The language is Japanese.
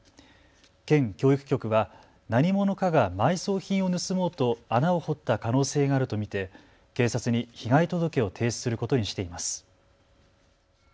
県教育局は何者かが埋葬品を盗もうと穴を掘った可能性があると見て警察に被害届を提出することにしています。